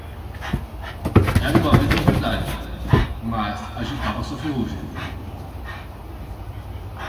Era uma vez uma verdade, mas agitava sua ferrugem.